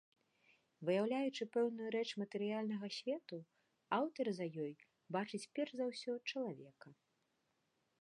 Выяўляючы пэўную рэч матэрыяльнага свету, аўтар за ёй бачыць перш за ўсё чалавека.